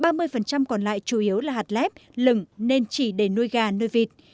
nông dân còn lại chủ yếu là hạt lép lừng nên chỉ để nuôi gà nuôi vịt